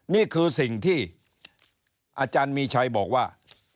นี่คือสิ่งที่อาจารย์มีชัยบอกว่า